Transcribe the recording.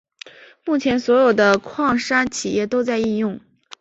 目前所有的矿山企业都在应用。